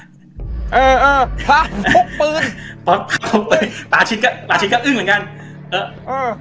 เออเออพระพุกปืนพระพุกปืนตาชิดก็ตาชิดก็อึ้งเหมือนกันเออเออ